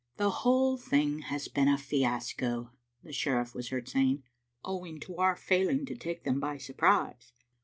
"The whole thing has been a fiasco," the sheriff was heard saying, "owing to our faiKng to take them by surprise.